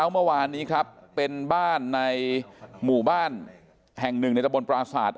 แม้วานนี้ครับเป็นหมู่บ้านแห่งหนึ่งในระบวนการ์มศาสตร์